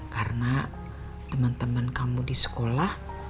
karena teman teman kamu di sekolah